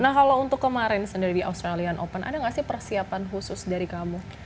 nah kalau untuk kemarin sendiri di australian open ada nggak sih persiapan khusus dari kamu